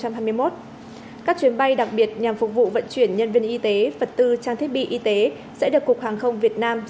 các chuyến bay đặc biệt nhằm phục vụ vận chuyển nhân viên y tế vật tư trang thiết bị y tế sẽ được cục hàng không việt nam